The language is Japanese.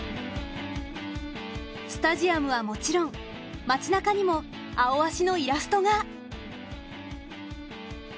スタジアムはもちろん街なかにも「アオアシ」のイラストが。